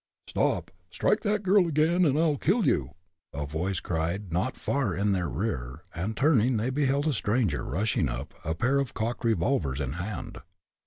"Stop! Strike that girl again and I'll kill you!" a voice cried, not far in their rear, and turning, they beheld a stranger rushing up, a pair of cocked revolvers in hand.